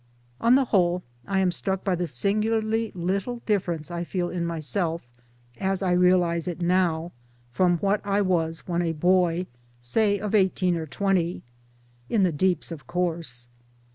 On the whole I am struck by the singularly little difference I feel in myself, as I realize it now, from what I was when a boy say of eighteen or twenty. In the deeps of course.